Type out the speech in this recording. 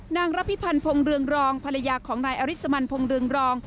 ระพิพันธ์พงศ์เรืองรองภรรยาของนายอริสมันพงศ์เรืองรอง